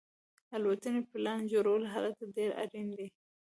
د الوتنې پلان جوړول هلته ډیر اړین دي